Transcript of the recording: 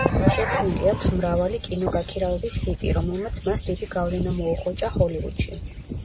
შექმნილი აქვს მრავალი კინოგაქირავების ჰიტი, რომელმაც მას დიდი გავლენა მოუხვეჭა ჰოლივუდში.